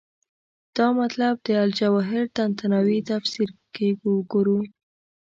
دا مطلب د الجواهر طنطاوي تفسیر کې وګورو.